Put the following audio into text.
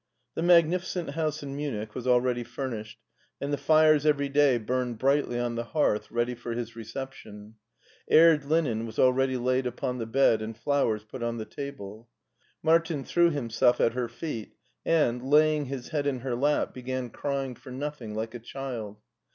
The magnificent house in Munich was already SCHWARZWALD 299 furnished and the fires every day burned brightly on the hearth ready for his reception. Aired linen was already laid upon the bed and flowers put on the table. Martin threw himself at her feet, and, laying his head in her lap, began crying for nothing, like a child.